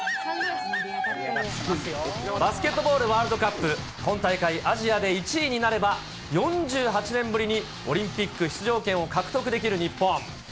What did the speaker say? バスケットボールワールドカップ、今大会、アジアで１位になれば、４８年ぶりにオリンピック出場権を獲得できる日本。